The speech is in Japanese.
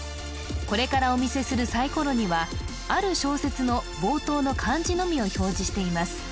これからお見せするサイコロにはある小説の冒頭の漢字のみを表示しています